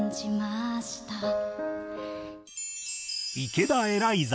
池田エライザ。